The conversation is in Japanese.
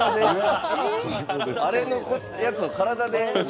あれのやつを体で？